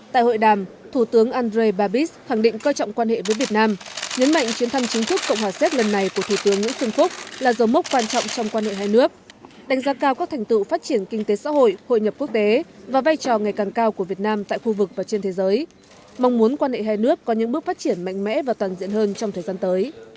tại hội đàm thủ tướng andré babis khẳng định coi trọng quan hệ với việt nam nhấn mạnh chuyến thăm chính thức cộng hòa xếp lần này của thủ tướng nguyễn xuân phúc là dấu mốc quan trọng trong quan hệ hai nước đánh giá cao các thành tựu phát triển kinh tế xã hội hội nhập quốc tế và vai trò ngày càng cao của việt nam tại khu vực và trên thế giới mong muốn quan hệ hai nước có những bước phát triển mạnh mẽ và toàn diện hơn trong thời gian tới